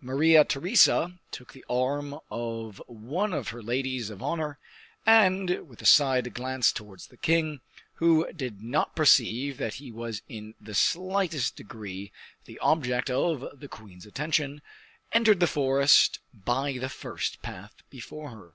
Maria Theresa took the arm of one of her ladies of honor, and, with a side glance towards the king, who did not perceive that he was in the slightest degree the object of the queen's attention, entered the forest by the first path before her.